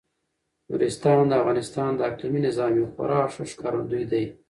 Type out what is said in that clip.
نورستان د افغانستان د اقلیمي نظام یو خورا ښه ښکارندوی دی.